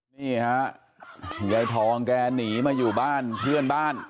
นี่ฮะยายทองแกหนีมาอยู่บ้านเพื่อนบ้าน